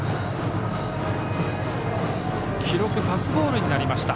記録、パスボールになりました。